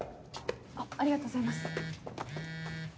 ありがとうございます。